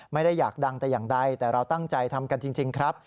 ไม่ได้อยากดังแต่อย่างใดแต่เราตั้งใจทำกันจริงครับ